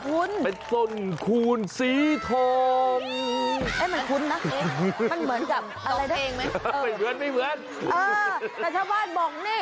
โอ้แปลกไหมล่ะคุณ